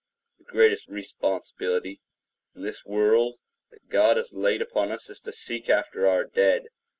The greatest responsibility in this world that God has laid upon us is to seek after our dead.